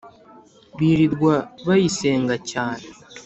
Birirwa bayisenga cyane